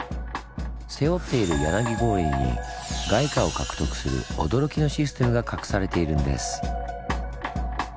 背負っている柳行李に外貨を獲得する驚きのシステムが隠されているんです。